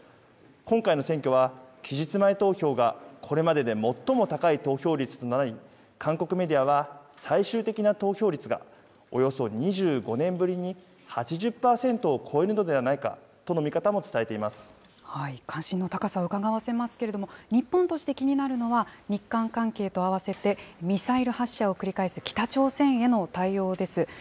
今回の選挙は、期日前投票がこれまでで最も高い投票率となり、韓国メディアは、最終的な投票率がおよそ２５年ぶりに８０％を超えるのではないか関心の高さをうかがわせますけれども、日本として気になるのは、日韓関係と併せてミサイル発射を繰り返す、北朝鮮への対応です。